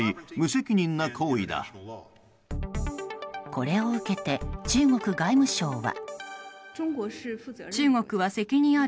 これを受けて中国外務省は。